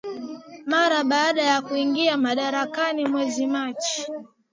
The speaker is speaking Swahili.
Mara baada ya kuingia madarakani mwezi Machi